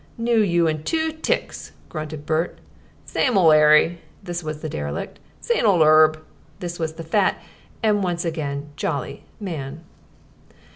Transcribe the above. "Knew you in two ticks," grunted Bert. "Same ol' 'Arry." (This was the derelict.) "Same ol' 'Erb." (This was the fat and once again jolly man.)